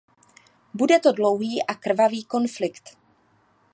Bude to dlouhý a krvavý konflikt.